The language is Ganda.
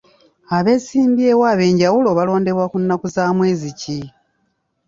Abeesimbyewo ab'enjawulo balondebwa ku nnaku za mwezi ki?